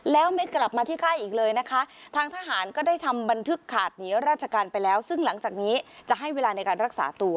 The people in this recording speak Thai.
แล้วเม็ดกลับมาที่ค่ายอีกเลยนะคะทางทหารก็ได้ทำบันทึกขาดหนีราชการไปแล้วซึ่งหลังจากนี้จะให้เวลาในการรักษาตัว